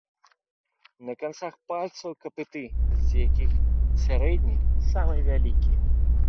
На канцах пальцаў капыты, з якіх сярэдні самы вялікі.